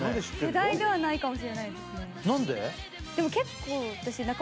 世代ではないかもしれないですね何で？